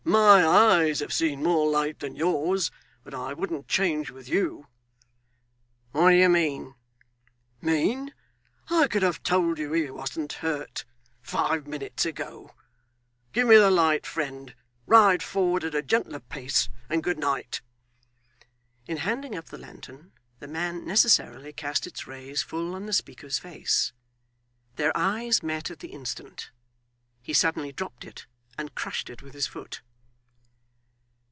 'My eyes have seen more light than yours, but I wouldn't change with you.' 'What do you mean?' 'Mean! I could have told you he wasn't hurt, five minutes ago. Give me the light, friend; ride forward at a gentler pace; and good night.' In handing up the lantern, the man necessarily cast its rays full on the speaker's face. Their eyes met at the instant. He suddenly dropped it and crushed it with his foot.